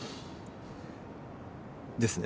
ですね。